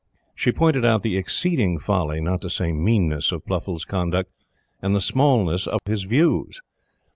She pointed out the exceeding folly, not to say meanness, of Pluffles' conduct, and the smallness of his views.